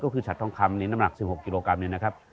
ก็คือฉัดทองคำนี้น้ำหนัก๑๖กิโลกรัมเนี่ยนะครับ